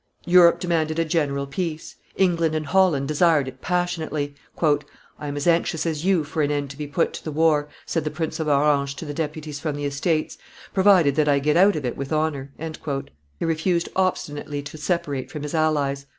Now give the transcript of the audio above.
Europe demanded a general peace; England and Holland desired it passionately. "I am as anxious as you for an end to be put to the war," said the Prince of Orange to the deputies from the Estates, "provided that I get out of it with honor." He refused obstinately to separate from his allies.